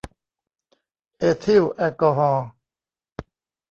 เอทิลแอลกอฮอล์